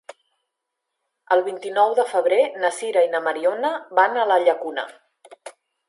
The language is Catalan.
El vint-i-nou de febrer na Sira i na Mariona van a la Llacuna.